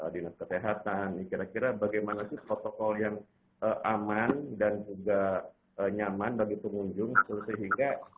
dinas kesehatan kira kira bagaimana sih protokol yang aman dan juga nyaman bagi pengunjung sehingga